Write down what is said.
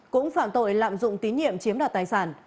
cũng phạm tội lạm dụng tín nhiệm chiếm đoạt tài sản